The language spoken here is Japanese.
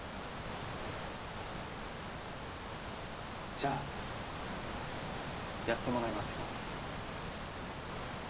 じゃあやってもらいますよ。